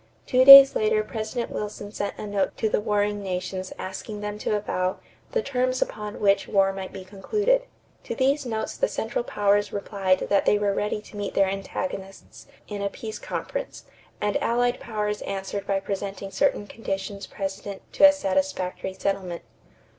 Two days later President Wilson sent a note to the warring nations asking them to avow "the terms upon which war might be concluded." To these notes the Central Powers replied that they were ready to meet their antagonists in a peace conference; and Allied Powers answered by presenting certain conditions precedent to a satisfactory settlement.